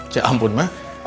ya ampun ma